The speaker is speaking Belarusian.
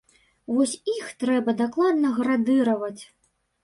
Вось іх трэба дакладна градыраваць.